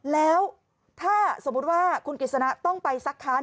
แล้วถ้าสมมุติว่าคุณกิจสนะต้องไปซักค้าน